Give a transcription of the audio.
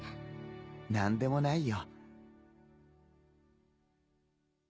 何でもないよ。